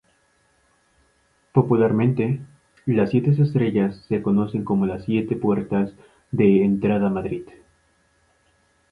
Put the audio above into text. Popularmente, las siete estrellas se conocen como las siete puertas de entrada a Madrid.